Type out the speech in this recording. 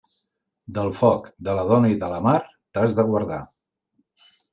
Del foc, de la dona i de la mar, t'has de guardar.